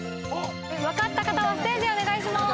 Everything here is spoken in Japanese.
わかった方はステージへお願いします。